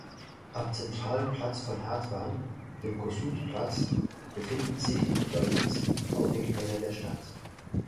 Am zentralen Platz von Hatvan, dem Kossuth-Platz, befinden sich die bedeutendsten Baudenkmäler der Stadt.